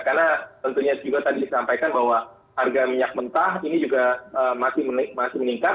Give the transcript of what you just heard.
karena tentunya juga tadi disampaikan bahwa harga minyak mentah ini juga masih meningkat